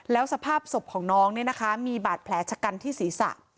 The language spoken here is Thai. แล้วสภาพศพของน้องเนี่ยนะคะมีบาดแผลชะกันที่ศีรษะ